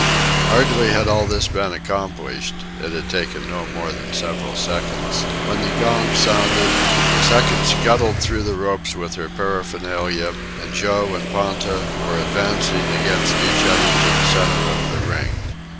Hardly had all this been accomplished (it had taken no more than several seconds), when the gong sounded, the seconds scuttled through the ropes with their paraphernalia, and Joe and Ponta were advancing against each other to the centre of the ring.